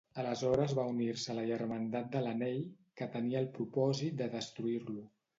Aleshores va unir-se a la Germandat de l'Anell, que tenia el propòsit de destruir-lo.